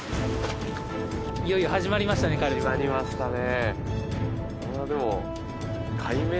いよいよ始まりましたね始まりましたね